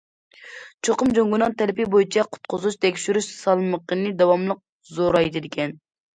چوقۇم جۇڭگونىڭ تەلىپى بويىچە قۇتقۇزۇش، تەكشۈرۈش سالمىقىنى داۋاملىق زورايتىدىكەن.